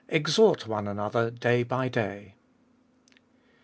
EXHORT ONE ANOTHER DAY BY DAY.